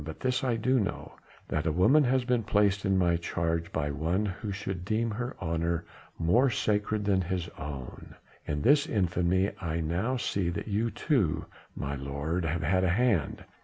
But this I do know that a woman has been placed in my charge by one who should deem her honour more sacred than his own; in this infamy I now see that you too, my lord, have had a hand.